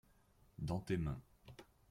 dans tes mains.